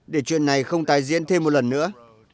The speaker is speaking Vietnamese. để chuyện này không tái diễn thêm một lần nữa